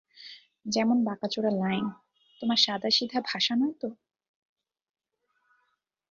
যেমন বাঁকাচোরা লাইন, তেমন সাদাসিধা ভাষা নয় তো।